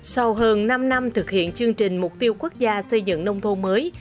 sau hơn năm năm thực hiện chương trình mục tiêu quốc gia xây dựng nông thôn mới